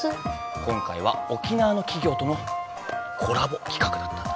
今回は沖縄のきぎょうとのコラボ企画だったんだ。